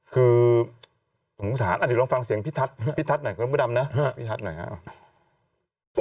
คือผมสาธารณ์อาจจะลองฟังเสียงพี่ทัศน์หน่อยพี่ทัศน์หน่อยครับพี่ทัศน์หน่อยครับ